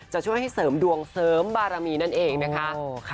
จะช่วยให้เสริมดวงเสริมบารมีนั่นเองนะคะ